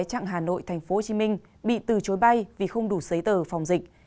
trạng hà nội tp hcm bị từ chối bay vì không đủ giấy tờ phòng dịch